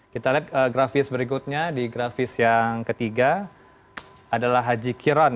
kita lihat grafis berikutnya di grafis yang ketiga adalah haji kiron